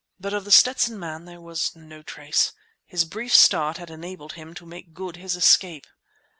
But of The Stetson Man there was no trace. His brief start had enabled him to make good his escape.